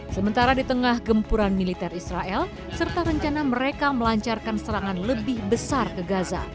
sementara di tengah gempuran militer israel serta rencana mereka melancarkan serangan lebih besar ke gaza